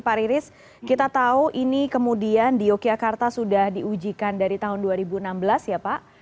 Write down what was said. pak riris kita tahu ini kemudian di yogyakarta sudah diujikan dari tahun dua ribu enam belas ya pak